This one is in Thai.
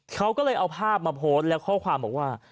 เขาก็เลยเอาภาพมาโพสต์แล้วข้อความบอกว่า